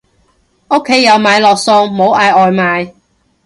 屋企有買落餸，冇嗌外賣